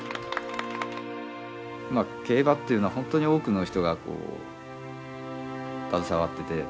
競馬っていうのは本当に多くの人が携わってて。